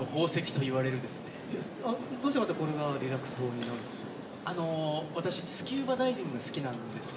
どうしてまたこれがリラックス法になるんでしょう。